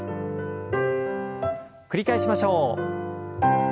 繰り返しましょう。